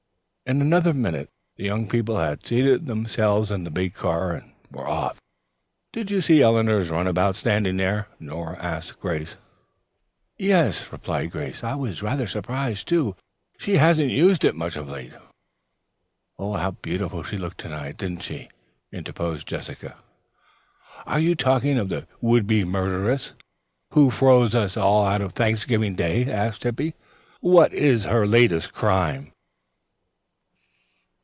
In another minute the young people had seated themselves in the big car and were off. "Did you see Eleanor's runabout standing there?" Nora asked Grace. "Yes," replied Grace. "I was rather surprised, too. She hasn't used it much of late." "How beautiful she looked to night, didn't she?" interposed Jessica. "Are you talking of the would be murderess, who froze us all out Thanksgiving Day?" asked Hippy. "What is her latest crime?"